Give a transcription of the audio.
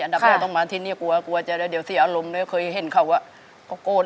อันดับ๑ต้องมาที่นี่กลัวจะเดี๋ยวเสียอารมณ์ด้วยเคยเห็นเขาก็โกรธ